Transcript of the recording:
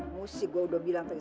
musik gue udah bilang